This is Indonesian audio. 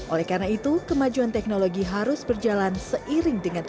oleh karena itu kemajuan teknologi harus berjalan seiring dengan teknologi